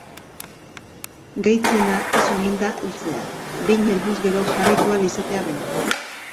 Gaitzena ez omen da heltzea, behin helduz gero jarraitu ahal izatea baino.